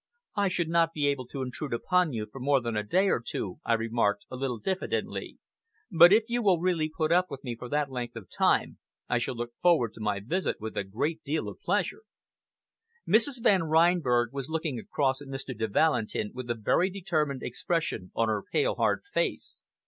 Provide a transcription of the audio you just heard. "I should not be able to intrude upon you for more than a day or two," I remarked, a little diffidently, "but if you will really put me up for that length of time, I shall look forward to my visit with a great deal of pleasure." Mrs. Van Reinberg was looking across at Mr. de Valentin with a very determined expression on her pale, hard face.